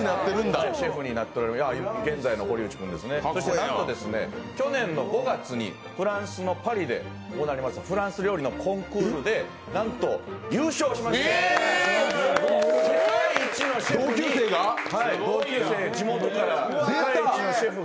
なんと去年の５月にフランスのパリでフランス料理のコンクールでなんと優勝しまして世界一のシェフに。